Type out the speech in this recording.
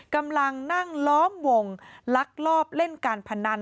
กำลังนั่งล้อมวงลักลอบเล่นการพนัน